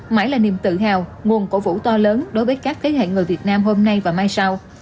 mãi là niềm tự hào nguồn cổ vũ to lớn đối với các thế hệ người việt nam hôm nay và mai sau